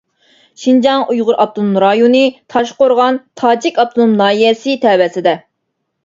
شىنجاڭ ئۇيغۇر ئاپتونوم رايونى تاشقورغان تاجىك ئاپتونوم ناھىيەسى تەۋەسىدە.